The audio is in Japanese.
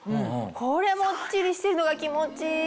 これもっちりしてんのが気持ちいい！